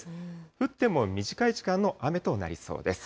降っても短い時間の雨となりそうです。